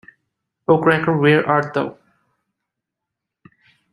O' Cracker Where Art Thou?